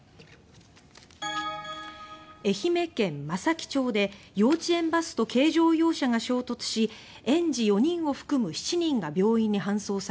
愛媛県松前町で幼稚園バスと軽乗用車が衝突し園児４人を含む７人が病院に搬送されました。